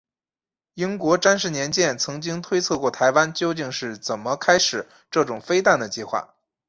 英国詹氏年鉴曾经推测过台湾究竟是怎么开始这种飞弹的计划。